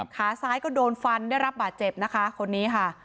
ขาซ้ายก็โดนฟันได้รับบาดเจ็บนะคะคนนี้ค่ะ